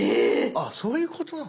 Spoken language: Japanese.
あっそういうことなの。